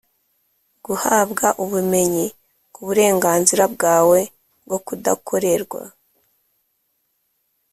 guhabwa ubumenyi ku burenganzira bwawe bwo kudakorerwa